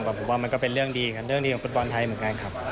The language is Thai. ผมว่ามันก็เป็นเรื่องดีกันเรื่องดีของฟุตบอลไทยเหมือนกันครับ